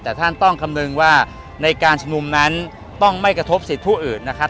แต่ท่านต้องคำนึงว่าในการชุมนุมนั้นต้องไม่กระทบสิทธิ์ผู้อื่นนะครับ